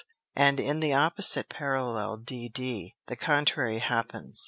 And in the opposite Parallel Dd, the contrary happens.